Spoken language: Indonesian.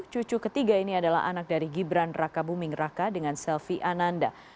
cucu ketiga ini adalah anak dari gibran raka buming raka dengan selvi ananda